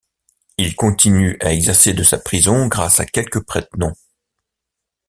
Il continue à exercer de sa prison grâce à quelques prête-noms.